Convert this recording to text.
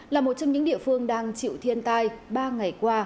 là một trong những địa phương đang chịu thiên tai ba ngày qua